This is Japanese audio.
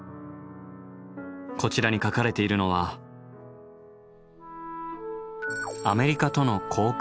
こちらに書かれているのは「アメリカとの交換樹木」。